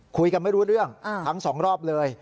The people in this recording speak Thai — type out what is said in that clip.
คุยกันไม่รู้เรื่องทั้งสองรอบเลย